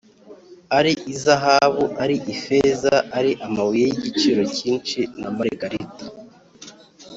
ari izahabu ari ifeza, ari amabuye y’igiciro cyinshi n’imaragarita,